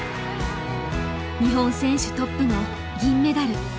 日本選手トップの銀メダル。